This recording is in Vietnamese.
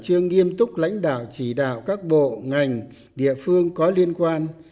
trường nghiêm túc lãnh đạo chỉ đạo các bộ ngành địa phương có liên quan